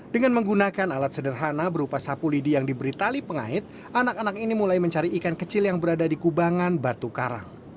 dengan menggunakan alat sederhana berupa sapu lidi yang diberi tali pengait anak anak ini mulai mencari ikan kecil yang berada di kubangan batu karang